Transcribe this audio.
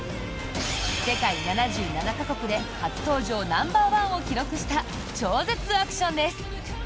世界７７か国で初登場ナンバーワンを記録した超絶アクションです！